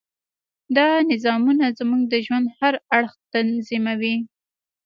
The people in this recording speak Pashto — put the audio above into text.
دا نظامونه زموږ د ژوند هر اړخ تنظیموي.